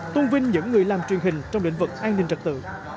tôn vinh những người làm truyền hình trong lĩnh vực an ninh trật tự